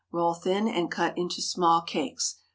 Roll thin and cut into small cakes.